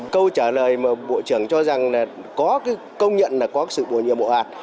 câu trả lời mà bộ trưởng cho rằng là có cái công nhận là có sự bổ nhiệm bộ hạt